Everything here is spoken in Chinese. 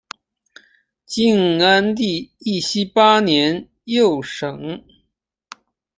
晋安帝义熙八年又省。